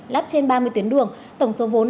lắp trên ba mươi tuyến đường tổng số vốn